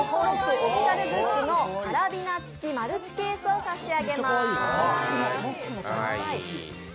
オフィシャルグッズのカラビナ付きマルチケースを差し上げます。